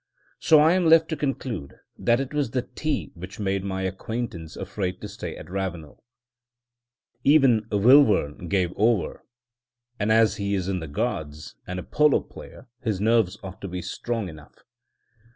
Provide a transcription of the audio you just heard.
So I am left to conclude that it was tea which made my acquaintance afraid to stay at Ravenel. Even Wilvern gave over; and as he is in the Guards, and a polo player his nerves ought to be strong enough.